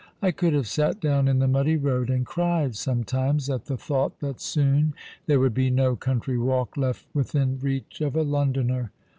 I could have sat down in the muddy road and cried sometimes, at the thought that soon there would be no country walk left within reach of a Londoner.